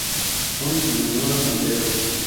Son en honor a San Pedro.